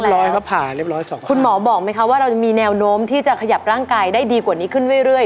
รอยพระผ่าเรียบร้อยสองคนคุณหมอบอกไหมคะว่าเราจะมีแนวโน้มที่จะขยับร่างกายได้ดีกว่านี้ขึ้นเรื่อย